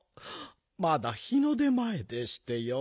まだ日の出まえでしてよ。